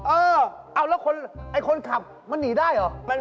เออเอาแล้วคนคนขับมันหนีได้ไหม